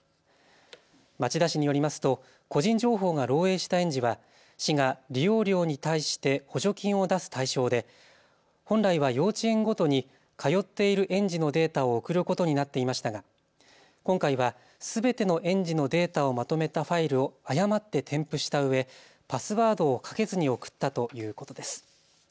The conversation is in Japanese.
町田市によりますと個人情報が漏えいした園児は市が利用料に対して補助金を出す対象で本来は幼稚園ごとに通っている園児のデータを送ることになっていましたが今回はすべての園児のデータをまとめたファイルを誤って添付したうえ、パスワードをかけずに送ったということです。